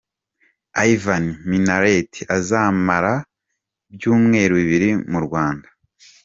Ivan Minnaert azamara ibyumweru bibiri mu Rwanda .